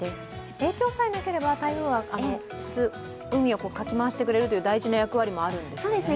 影響さえなければ、台風は海をかき回してくれるという大事な役割もあるんですよね。